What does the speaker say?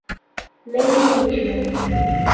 leninismo